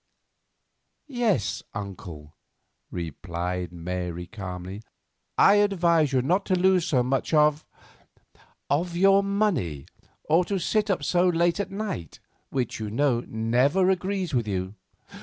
"Yes, uncle," replied Mary quite calmly. "I advise you not to lose so much of—of your money, or to sit up so late at night, which, you know, never agrees with you.